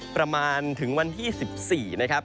ประมาณถึงวันที่๑๔นะครับ